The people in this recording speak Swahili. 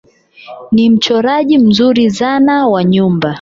Ni mchoraji mzuri zana wa nyumba